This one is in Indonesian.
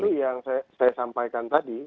tapi yang saya sampaikan tadi